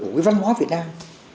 của cái văn hóa việt nam